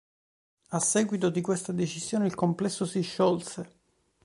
A seguito di questa decisione il complesso si sciolse.